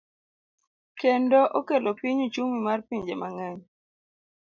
Kendo okelo piny uchumi mar pinje mang'eny.